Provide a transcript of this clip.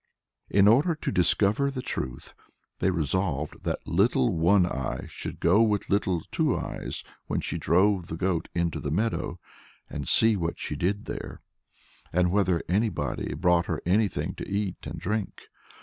In order to discover the truth, they resolved that Little One Eye should go with Little Two Eyes when she drove the goat into the meadow, and see what she did there, and whether anybody brought her anything to eat and drink.